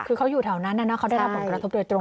คือเขาอยู่แถวนั้นเขาได้รับผลกระทบโดยตรง